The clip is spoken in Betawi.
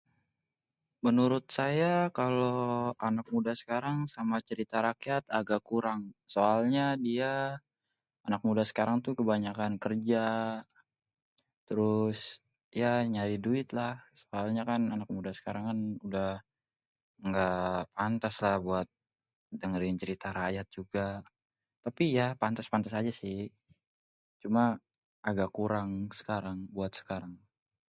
menurut saya kalo anak muda sekarang sama cerita rakyat sangat kurang tau nya dia anak muda sekarang tuh kebanyakan kerja ya trus nyari duit lah soalnya kan anak muda sekarng mah udah engga pantes lah buat dengerin cerita rakyat tapi ya pantes-pantes aja si cuma aga kurang buat sekarang